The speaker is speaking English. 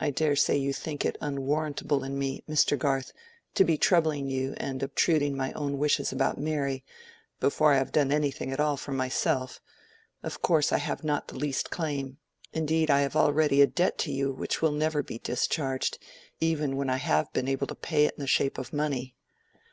I dare say you think it unwarrantable in me, Mr. Garth, to be troubling you and obtruding my own wishes about Mary, before I have done anything at all for myself. Of course I have not the least claim—indeed, I have already a debt to you which will never be discharged, even when I have been able to pay it in the shape of money."